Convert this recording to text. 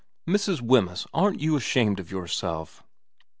Mrs. Wemyss, aren't you ashamed of yourself